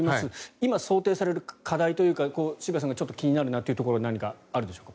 今、想定される課題というか渋谷さんが気になるところというのは何かあるでしょうか？